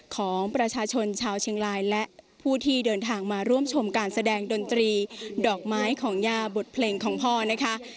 ของประชาชนชาวเชียงรายและผู้ที่เดินทางมาร่วมชมการแสดงดนตรีดอกไม้ของยาบทเพลงของพ่อนะคะ